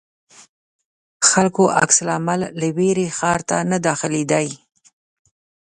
خلکو عکس العمل له وېرې ښار ته نه داخلېدی.